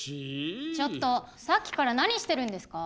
ちょっとさっきから何してるんですか？